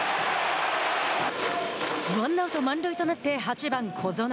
ワンアウト満塁となって８番小園。